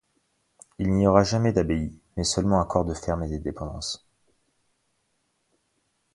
Il n'y aura jamais d'Abbaye mais seulement un corps de ferme et des dépendances.